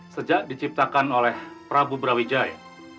sejak diciptakan oleh prabu brawijaya